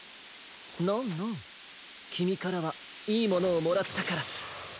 ノンノンきみからはいいものをもらったから。